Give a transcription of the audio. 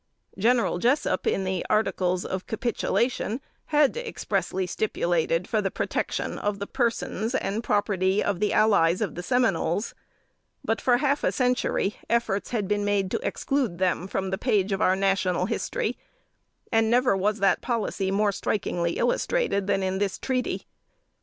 General Jessup, in the articles of capitulation, had expressly stipulated for the protection of the persons and property of the "allies" of the Seminoles; but for half a century efforts had been made to exclude them from the page of our national history, and never was that policy more strikingly illustrated than in this treaty.